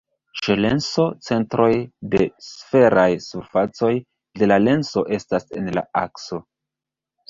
Ĉe lenso centroj de sferaj surfacoj de la lenso estas en la akso.